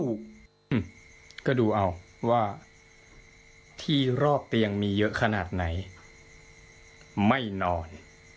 ก็ดูเอาว่าที่รอบเตียงมีเยอะขนาดไหนไม่นอน